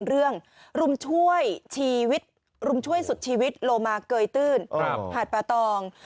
รุมช่วยชีวิตรุมช่วยสุดชีวิตโลมาเกยตื้นหาดป่าตอง